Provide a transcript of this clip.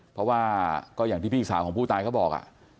เพราะว่าก็อย่างที่พี่สาวของผู้ตายเขาบอก